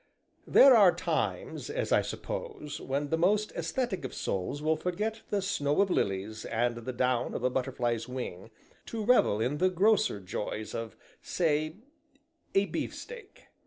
There are times (as I suppose) when the most aesthetic of souls will forget the snow of lilies, and the down of a butterfly's wing, to revel in the grosser joys of, say, a beefsteak.